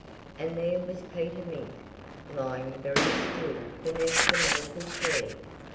And there was Peter Mink, lying very still beneath the maple tree.